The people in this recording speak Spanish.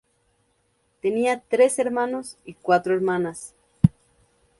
Tenía tres hermanos y cuatro hermanas.